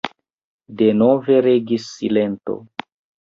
Denove regis silento.